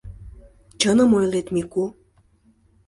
— Чыным ойлет, Мику!